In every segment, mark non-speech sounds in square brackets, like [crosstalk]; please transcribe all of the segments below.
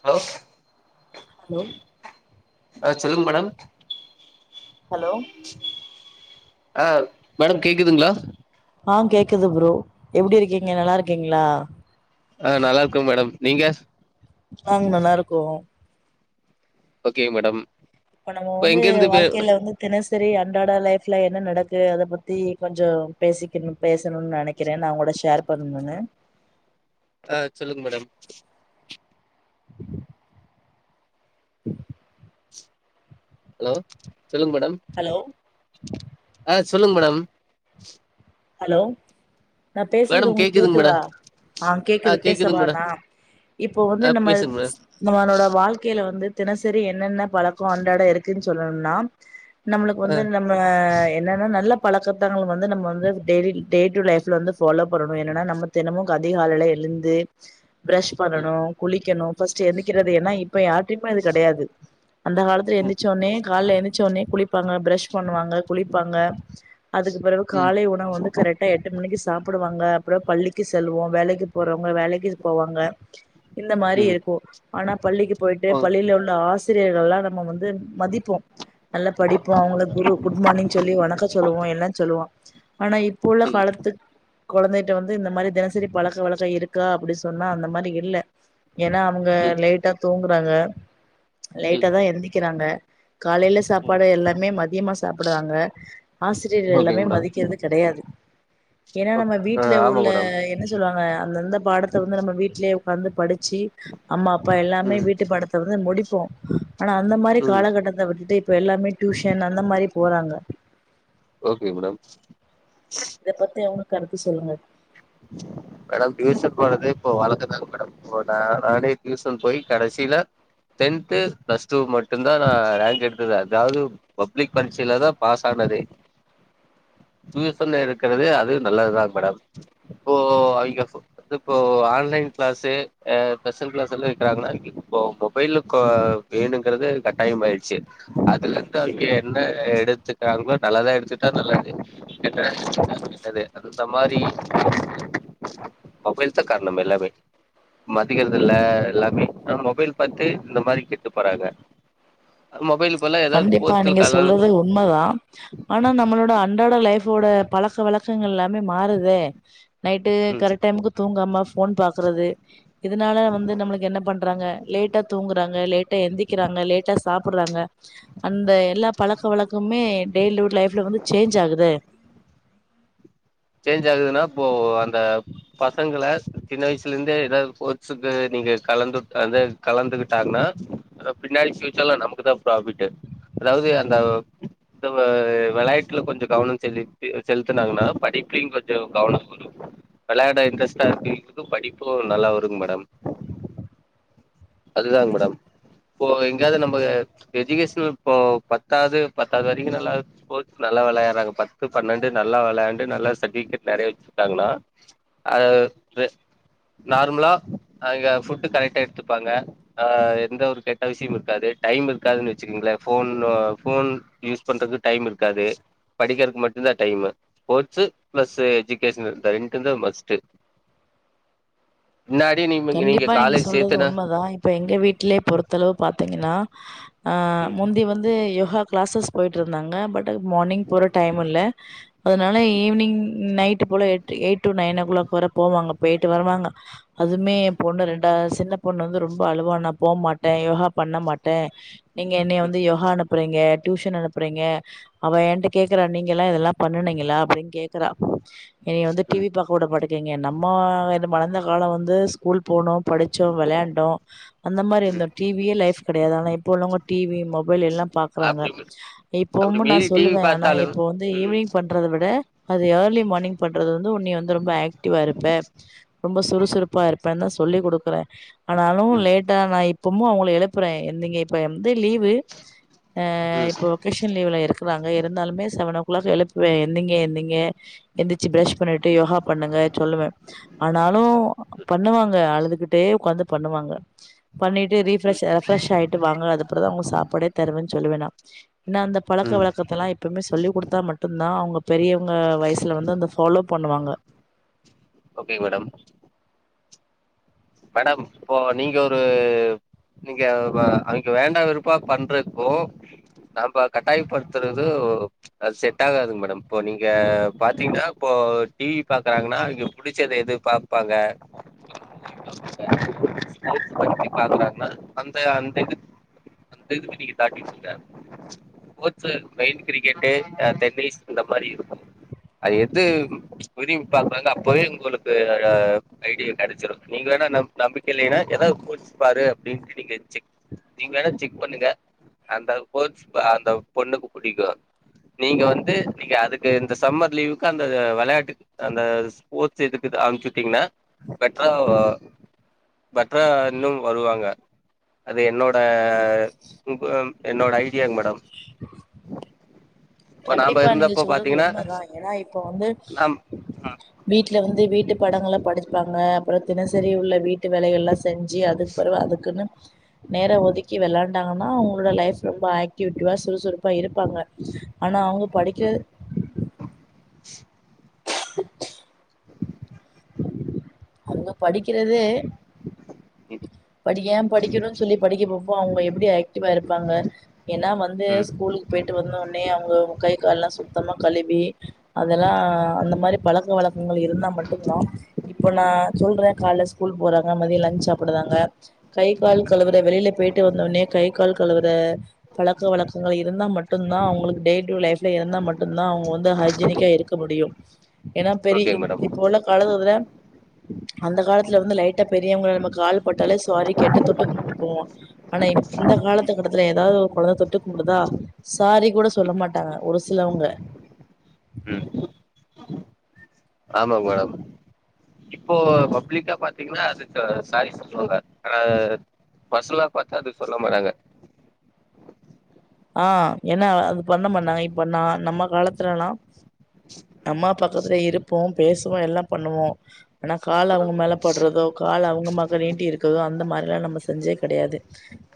hello hello அ சொல்லுங் madam hello ஆஹ் மேடம் கேக்குதுங்களா ஆ கேக்குது ப்ரோ எப்டி இருக்கீங்க நல்லா இருக் ருக்கீங்களா ஆ நல்லாருக்கோம் மேடம் நீங்க ஆங் நல்லாருக்கொம் ஓகேங் மேடம் இப்ப நம்ம வந்து எங்க இருந்து பே வாழ்க்கையில வந்து தினசரி அன்றாட லைப் வீட்ல என்ன நடக்கு அத பத்தி கொஞ்சம் பேசிக்கணும் பேஸ் னு நெனைக்கிறேன் நான கூட ஷேர் போன் பண்ணு ஆஹ் சொல்லுங்க மேடம் உம் கும் ஹாலோ சொல்லுங்க மேடம் ஹலோ அஹ்ஹ் சொல்லுங்க மேடம் ஹலோ நான் பேசுறது மேடம் உங்களுக்கு கேக்குதுங்க கேக்குதா மேடம் ஆஹ் ஆ கேக்குது கேக்குதுங்க மேடம் பேசவானா இப்போ வந்து ஆ நம்ம பேசுங்க மேடம் நம்மனோட வாழ்க்கையில வந்து தினசரி என் என்னென்ன பழக்கம் அன்றாட இருக்கு சொல்லணும்னா நம்மளுக்கு ஆ வந்து நம்ம என்னன்னா நல்ல பலக்கருத்தங்களும் வந்து நம்ம வந்து டே டுடே லைஃப்ல வந்து ஃபாலோ பண்ணணும் என்னன்னா நம்ம தினமும் அதிகாலைலா எழுந்து பிரஷ் ம் பண்ணனும் குளிக்கணும் பஸ்ட் எந்திக்கிறதுனா இ இப்ப யார்டயுமே அது கிடையா அந்த கால ம் எந்திரச்ச உடனே கால எந்தச்ச உடனே குளிப்பாங்க பிரஷ் பண்ணுவாங்க குளிப்பாங்க அதுக்கு பிறகு ம் காலை உ வந்து கரெக்டா எட்டு மணிக்கு சாப்பிடுாங்க அப்புறம் பள்ளிக்கு செல்வோம் வேலைக்கு க்கு போறவங்க வேலைக்கு போவாங்க இந்த மாதிரி ம் இருக்கும் ஆனா பள்ளிக்கு போயிட்டு ஓ பள்ளியில உள்ள ஆச ஆசிரியர்கள் எல்லாம் நம்ம வந்து மதிப்போம் நல்லா படிப்போம் அவங்களுக்கு குரு குட் மார்னிங் சொல்லி வணக்கம் சொல்லுவோம் எல்லாம் சொல்லுவோம் ஆனா இப்போ உள்ள ம் காலத்து குழந்தைட்ட வந்து இந்த மாதிரி தினசரி பழக்கவழக்கம் இருக்கா அப்படின்னு சொன்னா அந்த மாதிரி இல்ல ஏன்னா அவங்க ம் லேட்டா தூங்குறாங்க லேட்டாதான் எந்திக்கிறாங்க காலையில ம் சாப்பாடு எல்லாமே மதியமா சாப்பிடுறாங்க ஆசிரியரகள் ஓகேங்க எல்லாமே மேடம் மதிக்கிறதுக்கு து [unintelligible] ஏன்னா நம்ம ஆ வீட்டுல ஆமா உள்ள மேடம் என்ன சொல்லுவாங்க அந்தந்த பாடத் வந்து நம்ம வீட்டிலயே உக்காந்து படிச்சு ச்சு அம்மா அப்பா எல்லாமே ம் வீட்டு படத்தை வந்து முடி ப்பா ஆனா அந்த மாதரி ம் காலகட்டத்தை விட்டுட்டு இப்போ எல்லாமே டியூசன் அந்த மாரி போறாங்க ஓகே மேடம் இத பத்தி அவனுக்கு கருத்து சொல்லுங்க மேடம் டியூசன் போறதே இப்போ வழக்கம் தான் மேடம் இப்ப நான் நானே டியூசன் போய் கடைசில டென்து பிளஸ் டூ மட்டும் தான் நான் ரேங்க் எடுத்தது அதாவது பப்ளிக் பரிட்சலதான் பாஸ் ஆனதே டியூசன் எடுக்கிறது அது நல்லதுதாங்க மேடம் இப்போ அவைங்க வந்து இப்போ ஆன்லைன் கிளாஸ் ஹ ஸ்பெஷல் கிளாஸ் எல்லாம் வைக்கிறாங்கன்னா இப்போ மொபைல் வேணுங்குறது கட்டாயம் ஆயிடுச்சு அதுல இருந்து அவைங்க என்ன எடுத்துக்கிறாங்களோ நல்லதா எடுத்துகிட்டா நல்லது கெட்டதா எடுத்துகிட்டா கெட்டது அந்த மாரி மொபைல் தான் காரணம் எல்லாமே மதிக்கிறதுல எல்லாமே மொபைல் பாத்து இந்த மாரி கெட்டு போறாங்க மொபைல் பதிலா ஏதாவது கண்டிப்பா போர்ச்சல் நீங்க கலர் சொல்றது உண்மதான் ஆனா நம்மளோட அன்றாட லைஃப் நம்மோட பழக்க வழக்கங்கள் எல்லாமே மாறுதே நைட்டு ம் கரெக்ட் டைமுக்கு தூங்காம போன் பார்க்குறது இதனால வந்து நம்மளுக்கு என்ன பண்றாங்க லேட்டா தூங்குறாங்க லேட்டா எந்தி வக்கிறாங்க லேட்டா சாப்டுறாங்க அந்த எல்லா பழக்க வழக்கமே டெய்லி லைஃப்ல வந்து சேஞ்ச் ஆகுதே சேஞ்ச் ஆகுதுன்னா அப்போ அந்த பசங்கள சின்ன வயசுல இருந்தே ஏதாவது போர்ட்ஸ்க்கு நீங்க கலந்து அத கலந்துகிட்டு கிட்டாங்கனா பின்னாடி ப்யூச்சர்ல நமக்குதான் ப்ராபிட் அதாவது அந்த விளையாட்டுல கொஞ்சம் கவனம் செலுத்தி செலுத்தனாங்கன்னா படிப்பு படிப்பும் கொஞ்சம் கவனம் வரும் விளையாட இன்ட்ரெஸ்ட்டா இருக்குறவங்களுக்கு படிப்பு நல்லா வரும் மேடம் அதுதாங்க மேடம் இப்போ எங்காவது நம்ம எஜுகேஷன் இப்போ பத்தாவது பத்தாவது வரைக்கும் நல்லா ஸ்போர்ட்ஸ் நல்லா விளையாடுறாங்க பத்து பன்னெண்டு நல்லா விளையாண்டு நல்லா சர்டிபிகேட் நிறைய வச்சிருக்காங்கன்னா ஆஹ நார்மலா அங்க ஃபுட்டு கரெக்டா எடுத்துப்பாங்க அஹ எந்த ஒரு கெட்ட விஷயம் இருக்காது டைம் இருக்காதுன்னு வச்சுக்கங்களேன் போன் யூஸ் பண்றதுக்கு டைம் இருக்காது படிக்கிறதுக்கு மட்டும் தான் டைமு ஸ்போர்ட்ஸ் பிளஸ் எஜுகேஷன் ரெண்டுந்தான் மஸ்ட் கண்டிப்பா நீங்க சொல்றது உண்மைதான் இப்ப எங்க வீட்லயே பொறுத்தளவு பாரத்தீங்கன்னா ஆஹ ம் முந்தி வந்து யோகா கிளாஸஸ் போயிட்டு இருந்தாங்க பட் அ மார்னிங் போற டைம் இல்ல அதனால ஈவ்னிங் நைட் போல எ eight to nine o'clock வரை போவாங்க போய்ட்டு வருவாங்க அதுமே என் பொண்ணு ரெண்டு அஹ சின்ன பொண்ணு வந்து ரொம்ப அழுவா நான் போகமாட்டேன் யோகா பண்ண மாட்டேன் நீங்க என்னைய ம் வந்து யோகா அனுப்புறீங்க டியூஷன் அனுப்புறீங்க அவ என்ட கேக்குறா நீங்க எல்லாம் இதெல்லாம் பண்ணுனீங்களா அப்டின்னு கேக்குறா என்னை வந்து ம் டிவி பார்க்க விடமாட்டிங்க இங்க நம்ம மழந்த காலம் வந்து ஏன் ஸ்கூல் போனோம் படிச்சோம் விளையாண்டோம் அந்த மாரி இருந்தோம் டிவியே லைஃப் கிடையாது ஆனால் இப்போ உள்ளவங்க டிவி மொபைல் எல்லாம் பார்க்குறாங்க அப்டி அப்படி இப்போதும் மீறி நான் டிவி சொல்லுவேன் ஆனால் பாத்தாலும் இப்போது வந்து ம் ஈவ்னிங் பண்ணுறதை விட அது ஏர்லி மார்னிங் பண்றது வந்து உன்னி வந்து ரொம்ப வர இருப்ப ரொம்ப சுறுசுறுப் இப்ப தான் சொல்லி் கொடுக்குறேன் ஆனாலும் ம் லேட்டா நான் இப்பமும் அவுங்களை எழுப்புறேன் எந்தரீங்க இப்ப ந்து லீவு ஆ ம் இப்போ [unintelligible] லீவ்ல இருக்கிறாங்க இருந்தாலுமே செவன் ஓ உலக எழுப்புவேன் எந்திங்க எந்திங்க எந்திரிச்சு பிரஷ் பண்ணிட்டு யோகா பண்ணுங்க சொல்லுவே ஆனாலு பண்ணுவாங்க அழுதுகிட்டே உக்காந்து பண்ணுவாங்க பண்ணிட்டு ம் ரீப்ஃரெஷ் ரெப்ஃபிரேஷ் ஆய்ட்டு வாங்க அதுப்புறம் தான் உங்களுக்கு சாப்பாடே தருவன்னு சொல்லவே நா [unintelligible] ஏன்னா அந்த ம் பழக்கவழக்கத்தெலா எப்பவுமே சொல்லி கொடுத்தா மட்டும் நான் அவங்க பெரியவங்க வயசுல வந்து அந்த ஃபாலோ பண்ணுவாங்க ஓகே மேடம் மேடம் இப்போ நீங்க ஒரு நீங்க அ அவங்க வேண்டாம் வெறுப்பா பண்றப்போ நாம்ப கட்டாயப்படுத்துறது அது செட் ஆகாதுங்க மேடம் இப்போ நீங்க பாத்தீங்கன்னா இப்போ டிவி பாக்குறாங்கன்னா அவங்க பிடிச்சது எது பாப்பாங்க ஸ்போர்ட்ஸ் பத்தி [unintelligible] பாக்கறாங்கனா அந்த அந்த இதுவ அந்த இதுவ நீங்க தாட்டி சொல்ற ஸ்போ்ட்ஸ் மெயின் கிரிக்கெட்டு் டென்னிஸ் இந்த மாதிரி இருக்கும் அது எது வரியு பாக் அப்பாவே உங்களுக்கு ஐடியா கிடைச்சிரும் நீங்க வேணா நம்பிக்கை இல்லைன்னா ஏதாவது கோர்ஸ் பாரு அப்புடின்ட்டு நீங்க செக் நீங்க வேணா செக் பண்ணுங்க அந்த கோர்ஸ் அந்த பொண்ணுக்கு புடிக்கும் நீங்க வந்து நீங்க அதுக்கு இந்த சம்மர் லீவுக்கு அந்த விளையாட்டு அந்த ஸ்போர்ட்ஸ் இதுக்கு அனுப்புச்விட்டீங்கன்னா பட் ப் ஆ பெட்டரா இன்னும் வருவாங்க அது என்னோட ஆ [unintelligible] என்னோட ஐடியாங் மேடம் இப்ப நாம கண்டிப்பா நீங்க இருந்தப்ப சொல்றது பாத்தீங்கன்னா உண்மைதா ஏன்னா இப்ப வந்து நாம் வீட்டுல வந்து வீட்டு படக்கல படிச்சுப்பாங்க அப்புறம் தினசரி உள்ள வீட்டு வேலைகள் எல்லாம் செஞ்சு அதுக்கு பிறவ அதுக்குன்னு நேர ஒதுக்கி வெளாண்டாங்கனா அவங்களோட லைப் ரொம்ப ஆக்டிவிட்டிவா சுறுசுறுப்பா இரு காங்க ஆனா அவங்க படிக்க அங்க படிக்கிறதே ம் படிக்கயே படிக்கணும்னு சொல்லி படிக்கப்போ இப்போ அவங்க எப்டி ஆய்க்ட் கன்டிப்பா இருப்பாங்க ஏன்னா வந்து ம் ஸ்கூலுக்கு போயிட்டு வந்த உடனே அவங்க கை கை கால் எல்லாம் சுத்தமா கழுவி அதெல்லாம் அந்த மாதிரி பழக்க வழக்க உங்கள இருந்தா மட்டுந்தா இப்போ நா சொல்ற கால ஸ்கூல் போறங்க மதிய லஞச் சாப்பிடுறாங்க கை கால் கழுவுற வெளியில போயிட்டு வந்தோனே கை கால் கழுவுற பழக்கவழக்கங்களை இருந்தா மட்டும் தான் அவங்களக்கு டே டுடே லைப்ல இருந்தா மட்டும் மட்டு தான் அவங்க வந்து ஹைஜீனிக்கா இருக்க முடியும் ஏன்னா பெரிய ஓகேங்க மேடம் இப்ப உள்ள காலத்துல அந்த காலத்துல வந்து லைட்ட பெ ரியவங்க நம்ம கால் பட்டாலே சாரி இதே நம்ம கால் பட்டாலே சாரி கேட்டு தொட்டு கும்புட்டு போவோம் ஆனா இந்த காலத்துக்கட்டத்துல ஏதாவது ஒல தொட்டு அப்டிதா சாரி கூட சொல்ல மாட்டாங்க ஒரு சிலவுங்க உஹம் ஆமாங்க மேடம் இப்ப பப்ளிக்கா பாத்தீங்கன்னா அது சாரி சொல்லுவாங்க ஹ பசலா பார்த்தா அதுக்கு சொல்ல மாட்டாங்க ஆஹ் என்ன அது பண்ண மன்ன இப்ப நா நம்ம காலத்துலா அம்மா பக்கத்துல இருப்போம் பேசுவோம் எல்லாம் பண்ணுவோம் ஆனா கால் ம் அவங்க மேல போடுறதோ கால் அவங்க பக்க நீண்டி இருக்கிறதோ அந்த மாரில்லாம் நம்ம செஞ்சது கிடையாது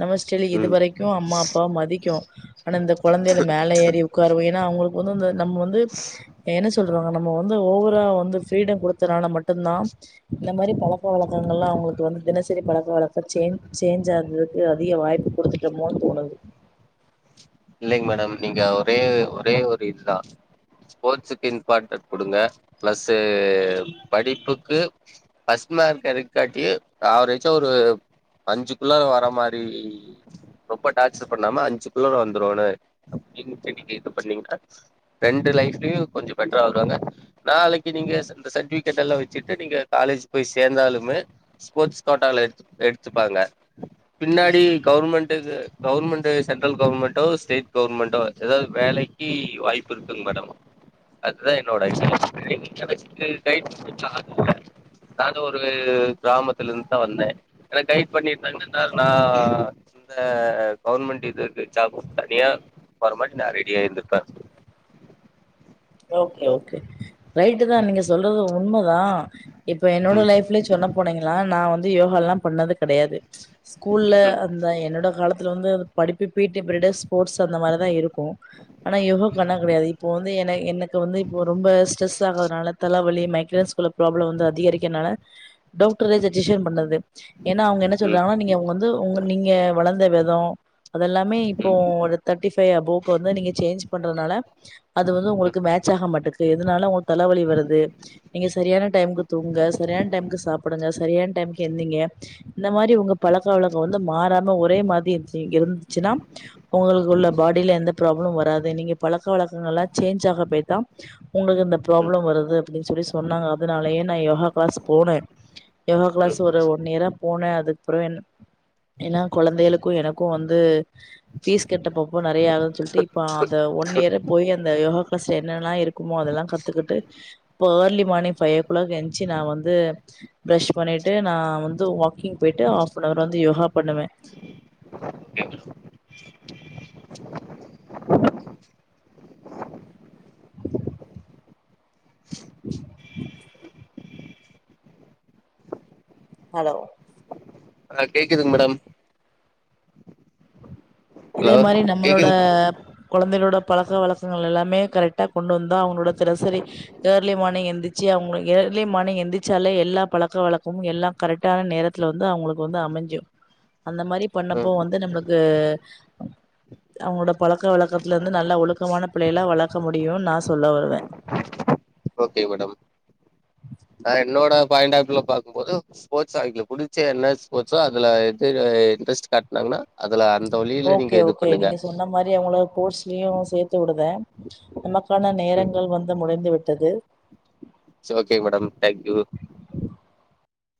நம்ம ஸ்டைல் ம் இதுவரைக்கும் அம்மா அப்பாவை மதிக்கிறோம் ஆனா இந்த கெழந்தைல மேல ஏறி உட்காருவ ஏன்னா அவங்களுக்கு ஒதுந்த நம்ம வந்து இப்ப நம்ம வந்து ஓவரா வந்து ஃப்ரீட கொடுத்தநாள மட்டும் தா இந்த மாரி பழக்கவழக்கங்கலா அவங்கள் இந்த மாரி தினசரி பழக்கவழக்கங்கலா சேஞ்ச் ஆகுது அதிக வாய்ப்பு குடுத்துட்டோமோ போனது இல்லைங்க மேடம் நீங்க ஒரே ஒரே ஒரு இதுதான் ஸ்போர்ட்சுக்கு இம்பார்டன் கொடுங்க பிளஸ்சு படிப்புக்கு பஸ்ட் மார்க் எடுக்காட்டி ஆவரேஜா ஒரு அஞ்சு குள்ள வர மாரி ரொம்ப டார்ச்சர் பண்ணாம அஞ்சு குள்ள வந்து தோழர் நீங்க ஃபர்ஸ்ட் என்ன பண்றீங்கநா ரெண்டு லைஃப்லையும் கொஞ்சம் பெட்டரா வருவாங்க நாளைக்கு இந்த சர்டிஃபிகேட் காலேஜ் போய் சேர்ந்தாலூமே ஸ்போர்ட் கொட்டலா எடுத்துப்பாங்க பின்னாடி கவர்மெண்ட் சென்ட்ரல் கவர்மெண்ட் சென்ட்ரலோ ஸ்டேட் கவர்மெண்டோ ஏதாது வேலைக்கு வாய்ப்பு இருக்குங்க மேடம் அதுதா என்னோட எக்ஸ்பர்ட் பீலிங் எனக்கு நா ஒரு கிராமத்து இருந்து தா வந்தே என்ன கைட் பண்ணிருந்தாங்கன்னா நா இந்த கவர்மெண்ட் இது இருக்கு நா தனியா வர மாட்டி நா ரெடியாருந்துருப்பே ஓகே ஓகே ரைட்டு தான் நீங்க சொல்றது உண்மா நா இப்ப என்னோட ம் லைஃப்ல சொன்ன போனீங்கனா நா வந்து யோகா எல்லா பண்ணது கெடையாது ஸ்கூல்ல ம் அந்த என்னோட காலத்துல வந்து படிப்பு பீட்டி பீரிடு ஸ்போர்ட்ஸ் அந்த மாரிதா இருக்கும் ஆனாயோகாண்ணா கெடையாது இப்போ வந்து என எனக்கு வந்து இப்போ ரொம்ப ஸ்ட்ரஸ் ஆகுறதுனால தல தலவலி மைக்ரோஸ்கூல்ல ப்ராப்ளம் வந்து அதிகரிக்கனால டாக்ட்ரே சஜஷன் பண்ணது ஏனா அவங்க என்ன ம் சொல்றாங்கன்னா நீங்கங்க வந்து நீங்க வளந்த விதோ இதோ அதெல்லாமே இப்போ ம் ம் ஒரு தேர்டி ஃபவ் அபொவுக்கு வந்து நீங்க சேஞ்ச் பண்றதுனால அது வந்து உங்களு இதாகமட்டுக்கு இதனால ஓ தலைவலி வருது நீங்க சரியான டைம்க்கு தூங்க சரியான டைம்க்கு சாப்புடுங்க சரியான டைம்க்கு ஏந்திங்க இந்த மாரி உங்க பழக்கவழக்க வந்து மாறாம ஒரே மாரிஇந் இருந்துச்சுன்னா உங்களுக்கு உள்ள பாடியில எந்த ப்ராப்ளமு வராது நீங்க பழக்க வழக்கங்கலெல்லா சேஞ்சாக மேத்தா உங்களுக்கு அந்த ப்ராப்ளம் வருது அப்புடின்னு சொல்லி சொன்னாங்க அது நாளய நா யோகா கிளாஸ் போனேன் யோகா கிளாஸ் ஒரு ஒன் இயரா போன அதுப்புறம் என் ஏன்னா குழந்தையளுக்கும் எனக்கும் வந்து பீஸ் கட்டப்போப நறைய ஆகுதுன்னு சொல்லிட்டு இப்ப அத ஒன் இயர் போய் அந்த யோகா பஸ்ட் என்னெல்லாம் இருக்குமோ அதெல்லாம் கத்துக்கிட்டு இப்பே early morning five o'clock என்சு நா வந் து பிரெஷ் பண்ணிட்டு நா வந் [unintelligible] க்கிங் போயிட்டு ஆஃப் நவர் வந்து யோகா பண்ணுவேன் [inaudible] [inaudible] ஹலோ ஆஹ் கேக்குதுங் இது மேடம் இதே ஹலோ மாதிரி நம்மளோட கேக்குது கெழந்தங்களோட பழக்க வழக்கங்கள் எல்லாமே கரெக்டா கொண்டு வந்தா அவங்களோட திரசரி ஏர்லி மார்னிங் எந்திச்சு அவங்க ஏர்லி மார்னிங் எந்திச்சாலே எல்லா பழக்க வழக்கமும் எல்லாம் கரெக்டான நேரத்துல வந்து அவங்களுக்கு வந்து அமைஞ்சு அந்த மாரி பண்ணப்போ ம் வந்து நம்மளுக்கு த அவங்களோட பழக்கவழக்கத்துலெ ருந்து நல்லா ஒழுக்கமான பிள்ளயல்லா வளர்க்க முடியும்னு நா சொல்ல வருவேன் ஓகே மேடம் ஆ என்னோட பாயிண்ட் ஆஃப் ல பாக்கும்போது ஸ்போர்ட்ஸ் ஆ புடிச்ச என்ன ஸ்போர்ட்ஸோ அதுல எது இன்ட்ரெஸ்ட் காட்டனாங்கன்னா ஓக்கே ஓக்கே நீங்க சொன்ன மாரி அவங்கள போஸ்லயும் சேத்து வுடுதேன் மக்கள் பண ம் நேரங்கள் வந்து முடிந்துவிட் தது இட்ஸ் சோக்கேங் மேடம் தேங்யூ